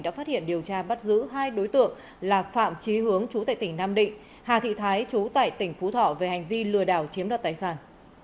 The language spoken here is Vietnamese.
đã phát hiện điều tra bắt giữ hai đối tượng là phạm trí hướng chú tệ tỉnh nam định hà thị thái chú tại tỉnh phú thọ về hành vi lừa đảo chiếm đoạt tài sản